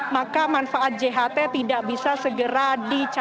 maka manfaat jht tidak bisa segera dicapai